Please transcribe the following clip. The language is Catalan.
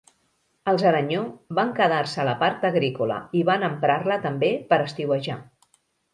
Els Aranyó van quedar-se la part agrícola, i van emprar-la també per estiuejar.